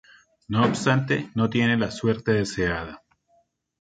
No obstante, no tiene la suerte deseada.